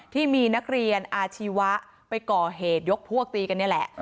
ที่มีนักเรียนอาชีวะไปก่อเหตุยกพวกตีกันนี่แหละ